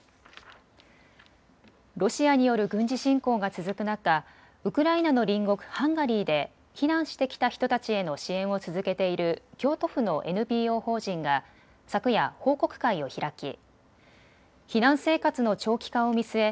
ロシアによる軍事侵攻が続く中、ウクライナの隣国ハンガリーで避難してきた人たちへの支援を続けている京都府のＮＰＯ法人が昨夜、報告会を開き避難生活の長期化を見据え